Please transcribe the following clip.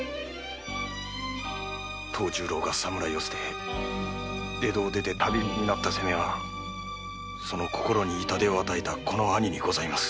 藤十郎が侍を捨て江戸を出て旅人になった責めはその心に痛手を与えたこの兄にございます。